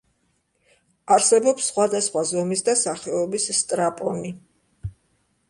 არსებობს სხვადასხვა ზომის და სახეობის სტრაპონი.